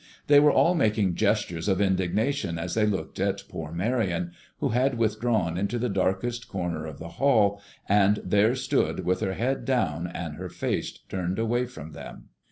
They were all making gestures of indignation as they looked at poor Marion, who had withdrawn into the darkest corner of the hall, and there stood with her head down and her face turned away from them.